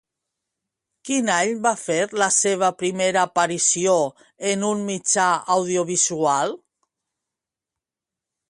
Quin any va fer la seva primera aparició en un mitjà audiovisual?